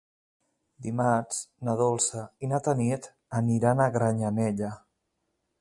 Dimarts na Dolça i na Tanit aniran a Granyanella.